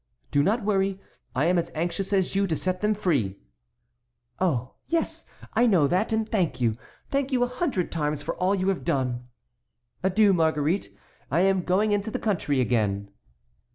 "Do not worry. I am as anxious as you to see them free." "Oh, yes, I know that, and thank you, thank you a hundred times for all you have done." "Adieu, Marguerite. I am going into the country again."